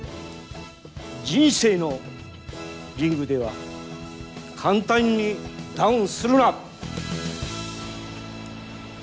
人生のリングでは簡単にダウンするな。